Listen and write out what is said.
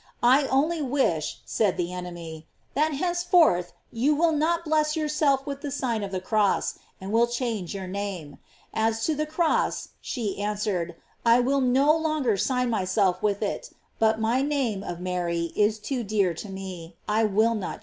I only wish, said the enemy, that henceforth you will not bless yourself with the sign of the cross, and will change your name. As to the cross, she answered, I will no longer sign myself with it, but my name of Mary is too dear to me, I will not change it.